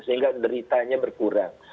sehingga deritanya berkurang